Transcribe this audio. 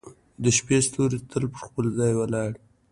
• د شپې ستوري تل په خپل ځای ولاړ وي.